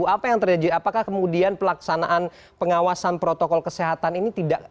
apa yang terjadi apakah kemudian pelaksanaan pengawasan protokol kesehatan ini tidak